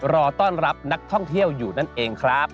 รอต้อนรับนักท่องเที่ยวอยู่นั่นเองครับ